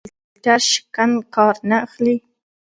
آیا خلک له فیلټر شکن کار نه اخلي؟